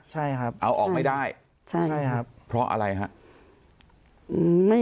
ใช่ครับเอาออกไม่ได้ใช่ครับเพราะอะไรฮะ